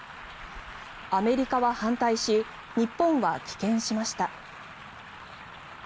アメリカは反対し日本は棄権しました。